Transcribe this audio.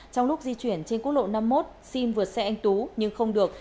trong lúc di chuyển trên quốc lộ năm mươi một xin vượt xe anh tú nhưng không được